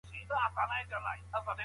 ورور مي وویل چي دا کار ډېر ستونزمن دی.